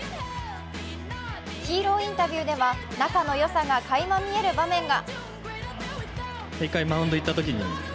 ヒーローインタビューでは仲のよさがかいま見える場面が。